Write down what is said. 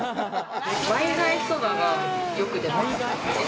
バイ貝そばがよく出ます。